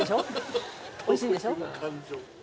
おいしいんでしょ？」